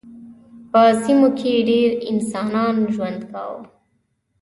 په سیمو کې ډېر انسانان ژوند کاوه.